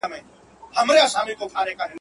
تر وېش ئې په چور خوشاله دئ.